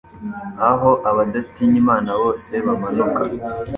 aho abadatinya Imana bose bamanuka